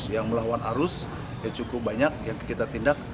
yang melawan arus cukup banyak yang kita tindak